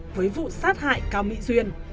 với vụ sát hại cao mỹ duyên